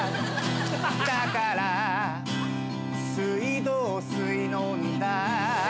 「だから水道水飲んだ」